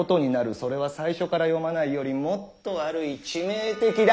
それは最初から読まないよりもっと悪い致命的だ。